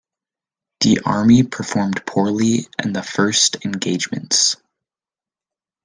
The army performed poorly in the first engagements.